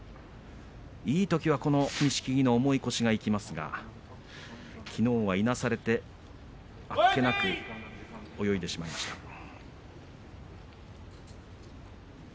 いいときはこの錦木の重い腰が生きますがきのうはいなされてあっけなく泳いでしまいました。